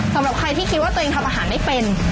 สำหรับใครที่คิดว่าตัวเองทำอาหารไม่เป็น